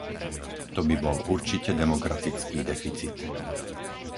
To by bol určite demokratický deficit!